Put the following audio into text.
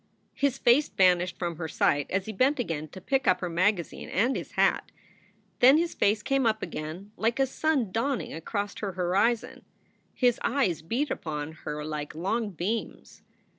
His face vanished from her sight as he bent again to pick up her magazine and his hat. Then his face came up again like a sun dawning across her horizon; his eyes beat upon her like long beams.